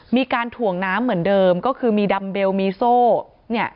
มีการถ่วงน้ำเหมือนเดิมก็คือมีดัมเบลมีโซ่เนี่ย